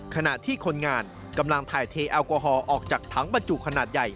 ขณะที่คนงานกำลังถ่ายเทแอลกอฮอล์ออกจากถังบรรจุขนาดใหญ่